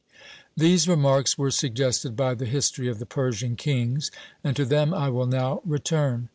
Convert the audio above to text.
These remarks were suggested by the history of the Persian kings; and to them I will now return.